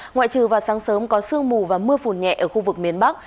ngoại trừ vào sáng sớm có sương mù và mưa phùn nhẹ ở khu vực miền bắc